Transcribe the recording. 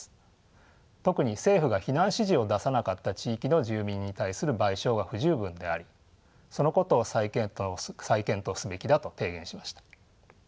特に政府が避難指示を出さなかった地域の住民に対する賠償が不十分でありそのことを再検討すべきだと提言しました。